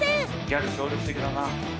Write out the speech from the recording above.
ギャル協力的だな。